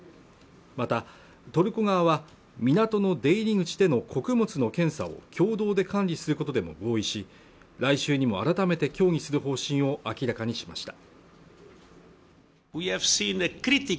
またトルコ側は港の出入り口での穀物の検査を共同で管理することでも合意し来週にも改めて協議する方針を明らかにしました